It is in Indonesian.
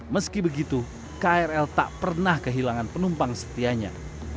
meski begitu krl tak pernah kehilangan penumpang setianya